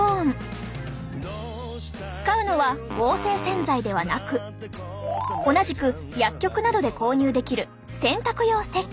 使うのは合成洗剤ではなく同じく薬局などで購入できる洗濯用せっけん。